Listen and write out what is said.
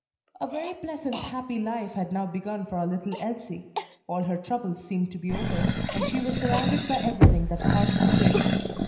A very pleasant, happy life had now begun for our little Elsie: all her troubles seemed to be over, and she was surrounded by everything that heart could wish.